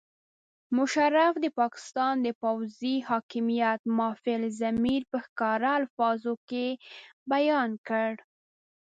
مشرف د پاکستان د پوځي حاکمیت مافي الضمیر په ښکاره الفاظو کې بیان کړ.